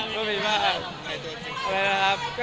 ก็มีมาก